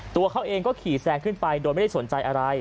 ตัวเขาเองก็ขี่แซงขึ้นไปโดยไม่ได้สนใจอะไร